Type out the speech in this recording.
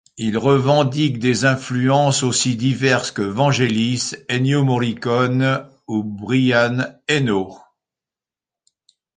Il revendique des influences aussi diverses que Vangelis, Ennio Morricone ou Brian Eno...